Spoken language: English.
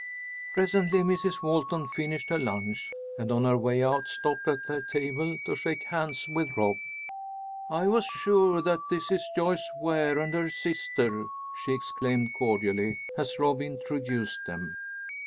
Presently Mrs. Walton finished her lunch, and on her way out stopped at their table to shake hands with Rob. "I was sure that this is Joyce Ware and her sister," she exclaimed, cordially, as Rob introduced them.